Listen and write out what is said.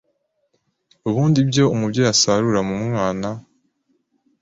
Ubundi ibyo umubyeyi asarura mu mwana,